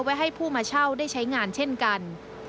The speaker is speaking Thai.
ให้ผู้มาเช่าได้ใช้งานเช่นกัน